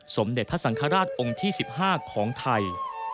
สมเด็จพระสังฆราชองค์ที่๑๕ของไทย